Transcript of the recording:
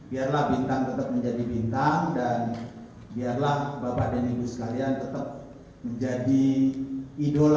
biarlah bintang tetap menjadi bintang dan biarlah bapak dan ibu sekalian tetap menjadi idola